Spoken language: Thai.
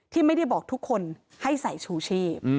ที่ไม่ได้บอกทุกคนให้ใส่ชูชีพ